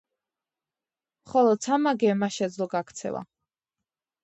მხოლოდ სამმა გემმა შეძლო გაქცევა.